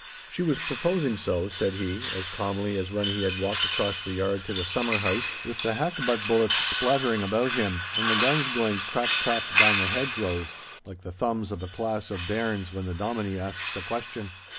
'She was proposing so,' said he, as calmly as when he had walked across the yard to the summer house, with the hackbutt bullets splattering about him and the guns going crack crack down the hedgerows, like the thumbs of a class of bairns when the dominie asks a question.